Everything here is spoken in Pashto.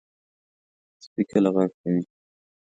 سپي کله غږ کوي.